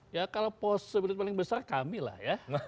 ya kalau posibilit paling besar kamilah ya